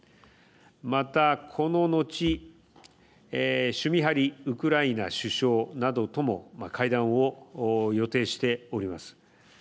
また、この後シュミハリウクライナ首相とも会談を予定しております。